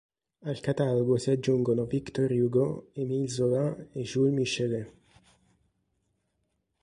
Al catalogo si aggiungono Victor Hugo, Émile Zola e Jules Michelet.